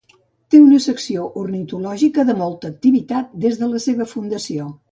Té una secció ornitològica de molta activitat des de la seva fundació.